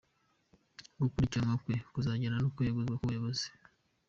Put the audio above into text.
Gukurikiranwa kwe kuzajyana no kweguzwa ku buyobozi.